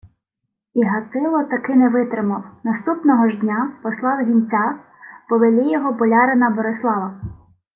І Гатило таки не витримав: наступного ж дня послав гінця по велійого болярина Борислава.